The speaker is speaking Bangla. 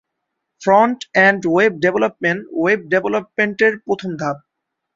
Front end web development web development এর প্রথম ধাপ।